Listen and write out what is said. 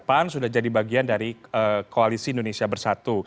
pan sudah jadi bagian dari koalisi indonesia bersatu